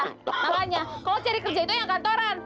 makanya kalau cari kerja itu yang kantoran